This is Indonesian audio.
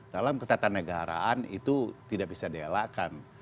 dalam ketatanegaraan itu tidak bisa dielakkan